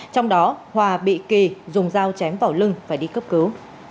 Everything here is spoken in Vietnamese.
trong đó hòa bị kỳ dùng dao chém vào lưng và đi cấp cứu